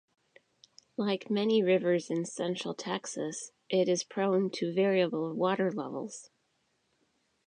Like many rivers in central Texas, it is prone to variable water levels.